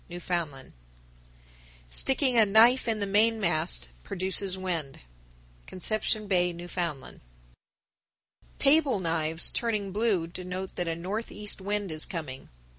Newfoundland 1059. Sticking a knife in the mainmast produces wind. Conception Bay, N.F. 1060. Table knives turning blue denote that a northeast wind is coming.